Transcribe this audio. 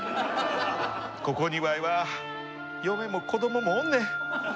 ここにわいは嫁も子どももおんねん。